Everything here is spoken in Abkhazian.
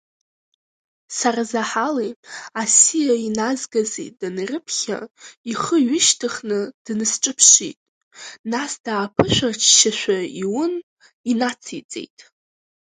Сарзаҳали асиа иназгази данрыԥхьа, ихы ҩышьҭыхны днасҿаԥшит, нас дааԥышәырччашәа иун, инациҵеит…